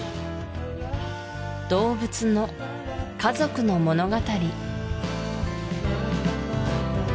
動物の家族の物語